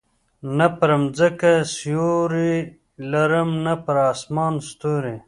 نه پر مځکه سیوری لرم، نه پر اسمان ستوری.